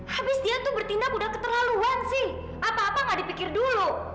habis dia tuh bertindak udah keterlaluan sih apa apa nggak dipikir dulu